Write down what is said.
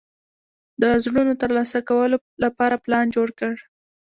د زړونو ترلاسه کولو لپاره پلان جوړ کړ.